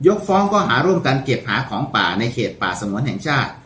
ฟ้องก็หาร่วมกันเก็บหาของป่าในเขตป่าสงวนแห่งชาติ